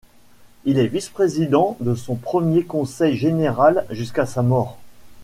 Il est vice-président de son premier conseil général jusqu’à sa mort.